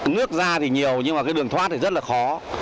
nước ra thì nhiều nhưng mà cái đường thoát thì rất là khó